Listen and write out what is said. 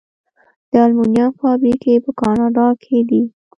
د المونیم فابریکې په کاناډا کې دي.